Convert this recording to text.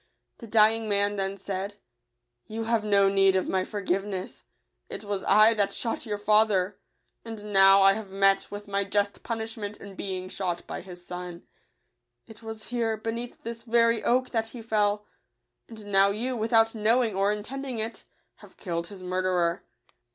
The dying man then said, " You have no need of my forgiveness: it was I that shot your fa ther ; and now I have met with my just pun ishment in being shot by his son. It was here, beneath this very oak, that he fell ; and now you, without knowing or intending it, have killed his murderer.